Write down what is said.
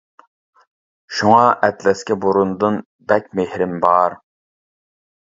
شۇڭا ئەتلەسكە بۇرۇندىن بەك مېھرىم بار.